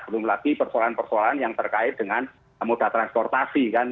belum lagi persoalan persoalan yang terkait dengan moda transportasi kan